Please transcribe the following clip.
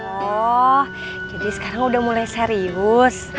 oh jadi sekarang udah mulai serius